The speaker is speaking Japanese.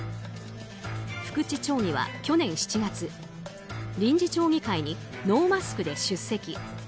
福地町議は去年７月臨時町議会にノーマスクで出席。